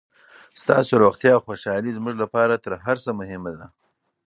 ستاسو روغتیا او خوشحالي زموږ لپاره تر هر څه مهمه ده.